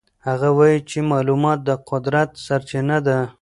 هغه وایي چې معلومات د قدرت سرچینه ده.